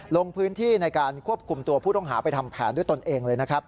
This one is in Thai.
ลงพื้นที่ในการควบคุมตัวผู้ต้องหาไปทำแผนด้วยตนเองเลยนะครับ